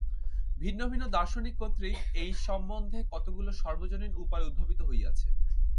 ভিন্ন ভিন্ন দার্শনিক কর্তৃক এই-সম্বন্ধে কতকগুলি সর্বজনীন উপায় উদ্ভাবিত হইয়াছে।